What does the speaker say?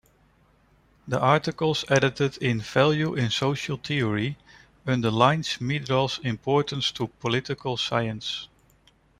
The articles edited in "Value in Social Theory" underlines Myrdal's importance to political science.